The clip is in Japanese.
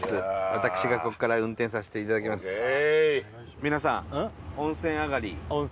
私がこっから運転させていただきますＯＫ！